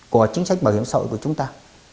của chính sách bảo hiểm xã hội của chúng ta